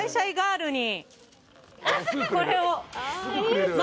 これを。